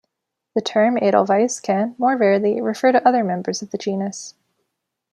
The term edelweiss can, more rarely, refer to other members of the genus.